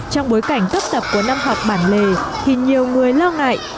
trong bối cảnh tấp tập của năm học bản lề thì nhiều người lo ngại